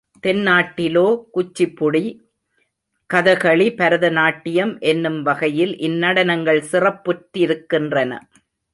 தென்னாட்டிலோ Kuchipudi, Kathakali, Bharatanatyam என்னும் வகையில் இந்நடனங்கள் சிறப்புற்றி ருக்கின்றன.